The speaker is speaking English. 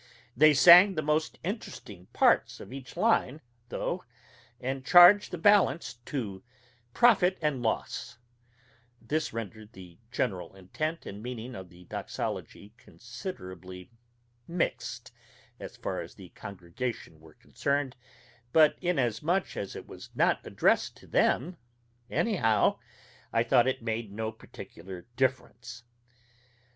They sang the most interesting parts of each line, though, and charged the balance to "profit and loss;" this rendered the general intent and meaning of the doxology considerably mixed, as far as the congregation were concerned, but inasmuch as it was not addressed to them, anyhow, I thought it made no particular difference.